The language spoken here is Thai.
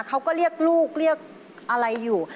เขาก็เรียกลูกเรียกอะไรอยู่